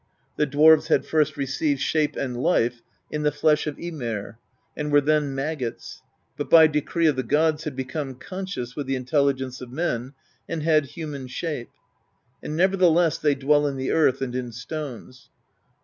The dwarves had first received shape and life in the flesh of Ymir, and were then maggots; but by decree of the gods had become conscious with the intelligence of men, and had human shape. And nevertheless they dwell in the earth and in stones.